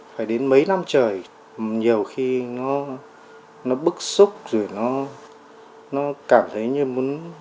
phải đến mấy năm trời nhiều khi nó bức xúc rồi nó cảm thấy như muốn